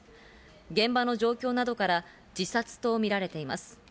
現場の状況などから自殺とみられています。